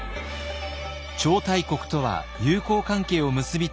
超大国とは友好関係を結びたい。